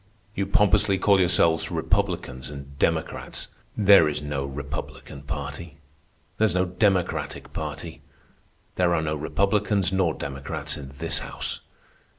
You pompously call yourselves Republicans and Democrats. There is no Republican Party. There is no Democratic Party. There are no Republicans nor Democrats in this House.